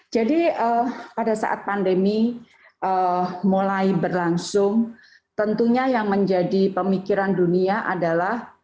jadi pada saat pandemi mulai berlangsung tentunya yang menjadi pemikiran dunia adalah